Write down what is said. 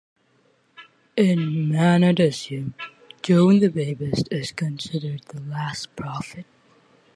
In Mandaeanism, John the Baptist is considered the last prophet.